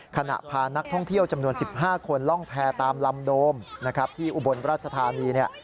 ขณะพานักท่องเที่ยวจำนวน๑๕คนล่องแพร่ตามลำโดมที่อุบลราชธานี